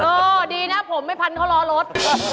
เออดีนะผมไม่พันข่อรอรถ